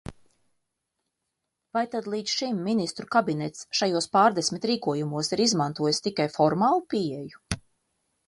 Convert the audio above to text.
Vai tad līdz šim Ministru kabinets šajos pārdesmit rīkojumos ir izmantojis tikai formālu pieeju?